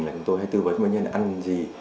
là chúng tôi tư vấn bệnh nhân ăn gì